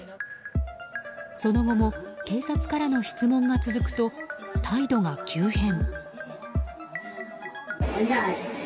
その後も警察からの質問が続くと態度が急変。